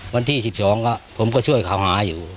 วันที่๑๒ผมก็ช่วยเขาหาอยู่